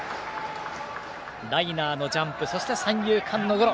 ライナーのジャンプそして三遊間のゴロ。